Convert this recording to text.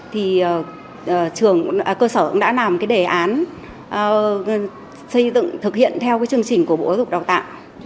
thì trường cơ sở cũng đã làm cái đề án xây dựng thực hiện theo cái chương trình của bộ giáo dục đào tạo